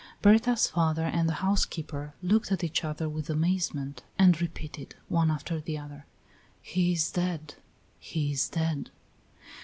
Berta's father and the housekeeper looked at each other with amazement, and repeated, one after the other: "He is dead!" "He is dead!"